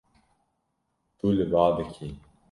Tu li ba dikî.